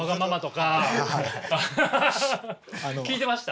聞いてました？